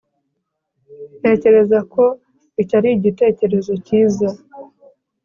ntekereza ko icyo ari igitekerezo cyiza